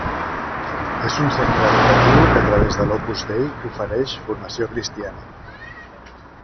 És un centre educatiu que a través de l'Opus Dei ofereix formació cristiana.